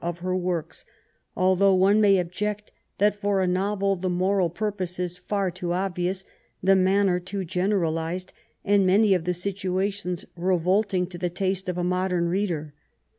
of her works, although one may object that for a novel the moral purpose is far too obvious, the manner too generalised, and many of the situations revolting to the taste of a modem reader.